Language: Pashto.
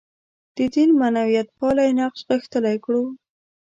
د دین معنویتپالی نقش غښتلی کړو.